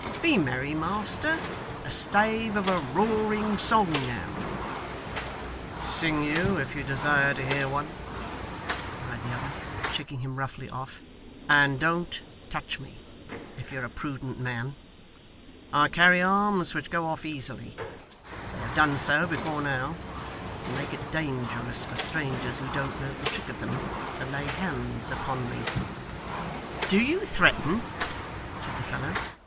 Be merry, master. A stave of a roaring song now' 'Sing you, if you desire to hear one,' replied the other, shaking him roughly off; 'and don't touch me if you're a prudent man; I carry arms which go off easily they have done so, before now and make it dangerous for strangers who don't know the trick of them, to lay hands upon me.' 'Do you threaten?' said the fellow.